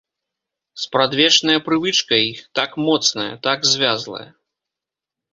Спрадвечная прывычка іх, так моцная, так звязлая!